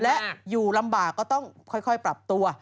และอยู่ลำบากก็ต้องค่อยปรับตัว